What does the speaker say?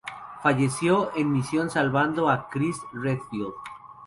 Falleció en misión salvando a Chris Redfield.